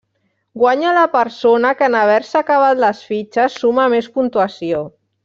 Guanya la persona que, en haver-se acabat les fitxes, suma més puntuació.